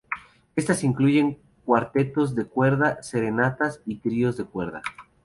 Estas incluyen cuartetos de cuerda, serenatas y tríos de cuerda.